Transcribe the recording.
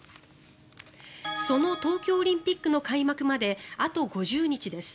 その東京オリンピックの開幕まであと５０日です。